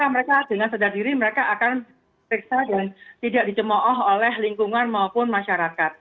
mereka dengan sadar diri mereka akan periksa dan tidak dicemooh oleh lingkungan maupun masyarakat